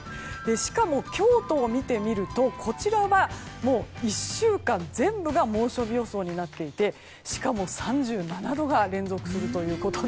しかも、京都を見てみるとこちらは１週間全部が猛暑日予想になっていて３７度が連続するということで。